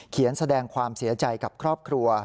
แสดงความเสียใจกับครอบครัว